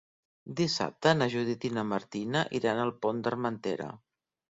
Dissabte na Judit i na Martina iran al Pont d'Armentera.